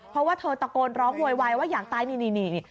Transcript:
เพราะว่าเธอตะโกนร้องโวยวายว่าอยากตายนี่